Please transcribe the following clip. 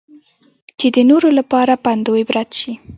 چې د نورو لپاره پند اوعبرت شي.